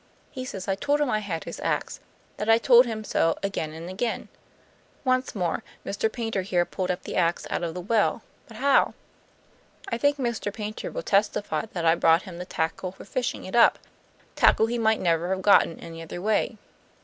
He says I told him I had his ax; that I told him so again and again. Once more, Mr. Paynter here pulled up the ax out of the well; but how? I think Mr. Paynter will testify that I brought him the tackle for fishing it up, tackle he might never have got in any other way.